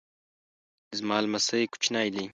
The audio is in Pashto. زما لمسی کوچنی دی